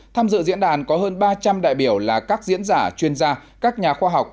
tham dự diễn đàn có hơn ba trăm linh đại biểu là các diễn giả chuyên gia các nhà khoa học